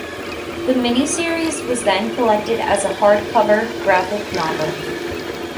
The miniseries was then collected as a hardcover graphic novel.